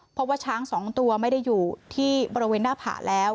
เพราะว่าช้างสองตัวไม่ได้อยู่ที่บริเวณหน้าผ่าแล้ว